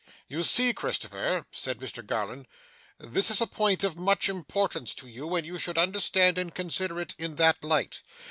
'You see, Christopher,' said Mr Garland, 'this is a point of much importance to you, and you should understand and consider it in that light.